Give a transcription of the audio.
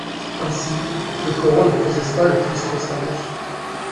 Ainsi, le Coran ne précise pas le fils concerné.